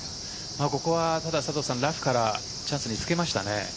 ここはただラフからチャンスにつけましたね。